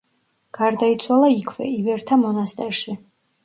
გარდაიცვალა იქვე, ივერთა მონასტერში.